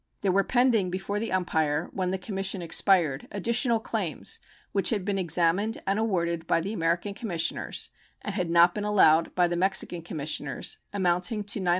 There were pending before the umpire when the commission expired additional claims, which had been examined and awarded by the American commissioners and had not been allowed by the Mexican commissioners, amounting to $928,627.